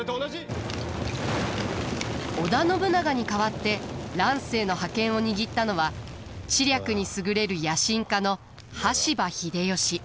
織田信長に代わって乱世の覇権を握ったのは知略に優れる野心家の羽柴秀吉。